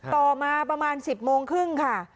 ต่อมาประมาณ๑๐โมงครึ่งค่ะ